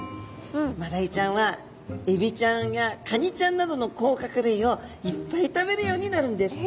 マダイちゃんはエビちゃんやカニちゃんなどの甲殻類をいっぱい食べるようになるんです。